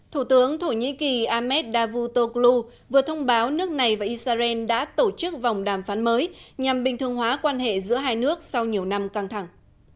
thủ tướng thổ nhĩ kỳ ahmed davotoklu vừa thông báo nước này và israel đã tổ chức vòng đàm phán mới nhằm bình thường hóa quan hệ giữa hai nước sau nhiều năm căng thẳng